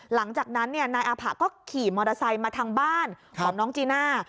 หลังจากนั้นนายอาผะก็ขี่มอเตอร์ไซค์มาทางบ้านของน้องจีน่า